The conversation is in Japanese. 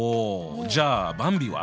じゃあばんびは？